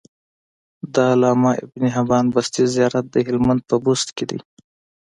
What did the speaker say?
د علامه ابن حبان بستي زيارت د هلمند په بست کی